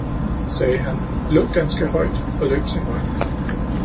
sagde han, lo ganske højt og løb sin vej.